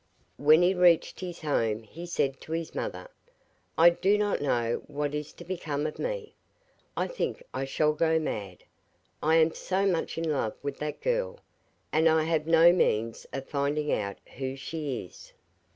When he reached his home he said to his mother, 'I do not know what is to become of me; I think I shall go mad, I am so much in love with that girl, and I have no means of finding out who she is.